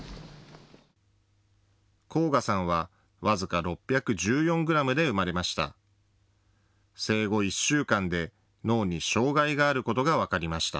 昊楽さんは僅か６１４グラムで生まれました。